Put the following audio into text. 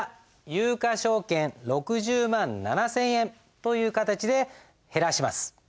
有価証券６０万７，０００円という形で減らします。